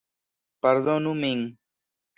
Pardonu min!